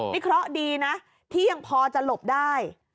นี่เคราะห์ดีนะที่ยังพอจะหลบได้